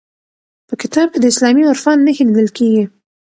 په کتاب کې د اسلامي عرفان نښې لیدل کیږي.